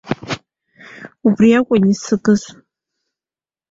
Убри акәын исыгыз.